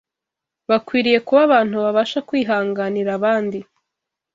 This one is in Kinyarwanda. Bakwiriye kuba abantu babasha kwihanganira abandi